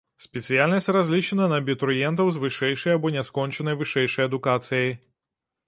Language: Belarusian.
Спецыяльнасць разлічана на абітурыентаў з вышэйшай або няскончанай вышэйшай адукацыяй.